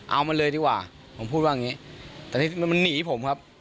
เอามันเลยดีกว่าผมพูดว่าอย่างนี้แต่ที่มันหนีผมครับ